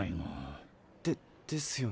でっですよね。